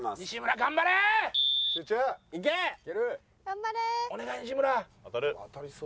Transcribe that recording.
頑張れー！